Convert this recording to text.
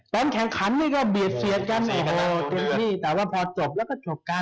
แผนแขนคันก็เบียดเสียกันแต่ว่าพอจบแล้วก็จบกัน